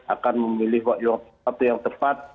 akan memilih waktu yang tepat